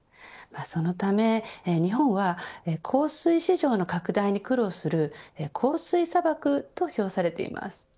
そのため日本は香水市場の拡大に苦労する香水砂漠、と評されています。